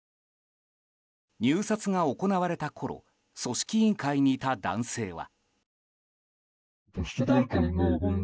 入札が行われたころ組織委員会にいた男性は。